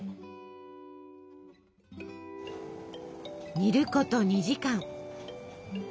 煮ること２時間。